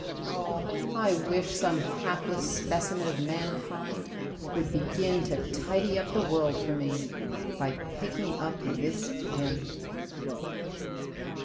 Oh! I wish some hapless specimen of mankind would begin To tidy up the world for me, by picking up this pin.